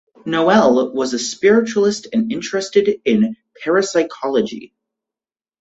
Noel was a spiritualist and interested in parapsychology.